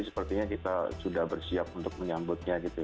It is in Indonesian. sepertinya kita sudah bersiap untuk menyambutnya gitu